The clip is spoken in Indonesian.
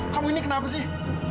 kamu ini kenapa sih